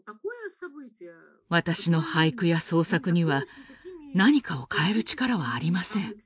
私の俳句や創作には何かを変える力はありません。